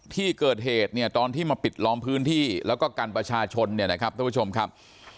ที่เกิดเหตุเนี่ยตอนที่มาปิดล้อมพื้นที่แล้วก็กันประชาชนเนี่ยนะครับท่านผู้ชมครับ